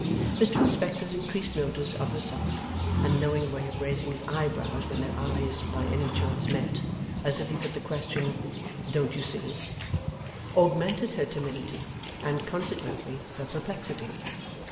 Mr Inspector's increased notice of herself and knowing way of raising his eyebrows when their eyes by any chance met, as if he put the question 'Don't you see?' augmented her timidity, and, consequently, her perplexity.